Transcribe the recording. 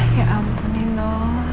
ya ampun nino